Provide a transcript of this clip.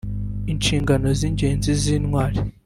Inshingano z’ingenzi z’Intwari